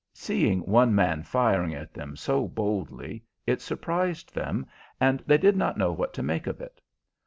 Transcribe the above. Seeing one man firing at them so boldly, it surprised them, and they did not know what to make of it.